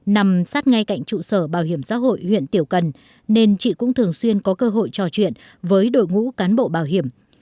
nằm sát ngay cạnh trụ sở bảo hiểm xã hội huyện tiểu cần nên chị cũng thường xuyên có cơ hội trò chuyện với đội ngũ cán bộ bảo hiểm